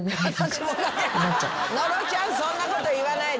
野呂ちゃんそんなこと言わないで。